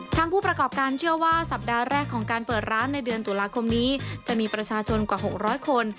ผู้ประกอบการเชื่อว่าสัปดาห์แรกของการเปิดร้านในเดือนตุลาคมนี้จะมีประชาชนกว่า๖๐๐คน